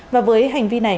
và với hành vi này